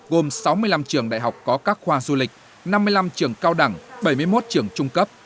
gồm sáu mươi năm trường đại học có các khoa du lịch năm mươi năm trường cao đẳng bảy mươi một trường trung cấp